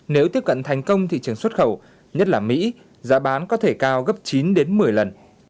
nếu tiếp cận thành công thị trường xuất khẩu nhất là mỹ giá bán có thể cao gấp chín đến một mươi lần